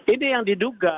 ini yang diduga